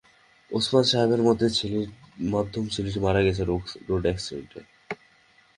ওসমান সাহেবের মধ্যম ছেলেটি মারা গেছে রোড অ্যাক্সিডেন্টে।